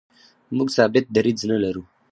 موږ ثابت دریځ نه لرو.